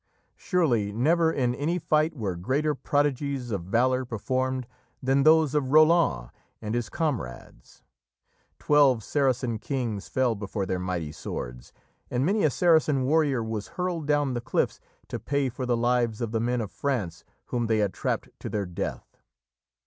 Surely never in any fight were greater prodigies of valour performed than those of Roland and his comrades. Twelve Saracen kings fell before their mighty swords, and many a Saracen warrior was hurled down the cliffs to pay for the lives of the men of France whom they had trapped to their death.